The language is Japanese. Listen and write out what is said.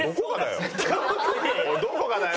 どこがだよ！